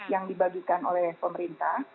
yang dibagikan oleh pemerintah